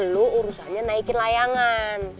lu urusannya naikin layangan